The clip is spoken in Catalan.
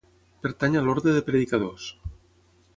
Pertany a l'Orde de Predicadors.